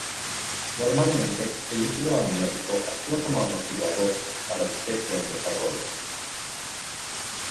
Normalmente, el líquido amniótico actúa como amortiguador para el feto en desarrollo.